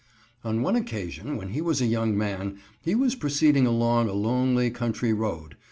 On one occasion, when he was a young man, he was proceeding along a lonely country road.